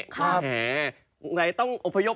ไหนต้องอบพยพ